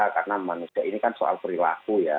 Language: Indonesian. karena manusia ini kan soal perilaku ya